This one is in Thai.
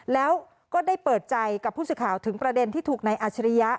แล้วก็ได้เปิดใจกับผู้สื่อข่าวถึงประเด็นที่ถูกนายอัชริยะ